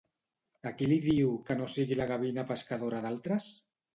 A qui li diu que no sigui la gavina pescadora d'altres?